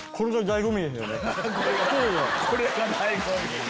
「これが醍醐味」！